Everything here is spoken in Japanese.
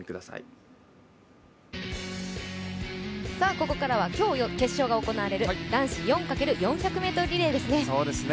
ここからは今日決勝が行われる男子４×４００ｍリレーですね。